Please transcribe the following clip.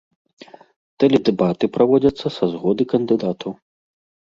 Тэледэбаты праводзяцца са згоды кандыдатаў.